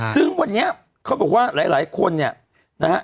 ซึ่งวันนี้เขาบอกว่าหลายคนเนี่ยนะฮะ